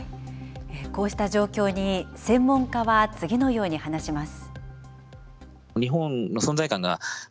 こうした状況に、専門家は次のように話します。